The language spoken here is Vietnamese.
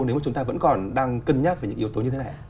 nếu mà chúng ta vẫn còn đang cân nhắc về những yếu tố như thế này